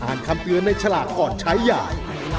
คำเตือนในฉลากก่อนใช้ใหญ่